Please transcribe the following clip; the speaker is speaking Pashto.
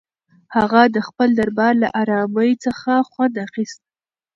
هغه د خپل دربار له ارامۍ څخه خوند اخیست.